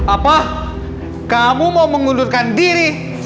apa kamu mau mengundurkan diri